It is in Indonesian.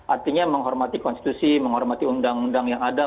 artinya menghormati konstitusi menghormati undang undang yang ada